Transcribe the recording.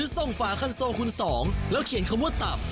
ส่งฝาคันโซคุณสองแล้วเขียนคำว่าตับ